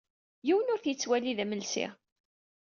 Yiwen ur t-yettwali d amelsi.